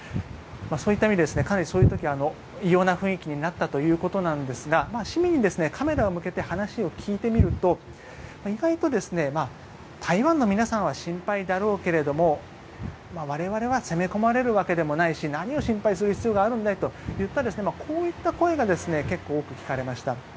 そういった意味でかなりそういう時異様な雰囲気になったということですが市民にカメラを向けて話を聞いてみると意外と、台湾の皆さんは心配だろうけれども我々は攻め込まれるわけでもないし何を心配する必要があるんだよといったこういった声が結構、多く聞かれました。